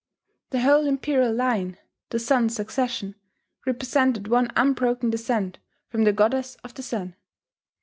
The whole Imperial line, the "Sun's Succession," represented one unbroken descent from the Goddess of the Sun.